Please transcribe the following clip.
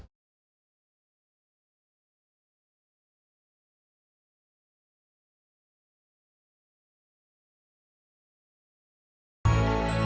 jangan terlalu terrapat flor